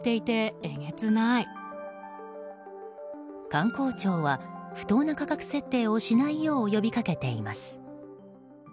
観光庁は不当な価格設定をしないよう呼びかけています。